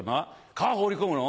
「川放り込むの？